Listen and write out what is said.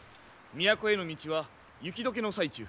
都への道は雪解けの最中。